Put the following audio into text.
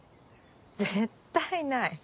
絶対ない。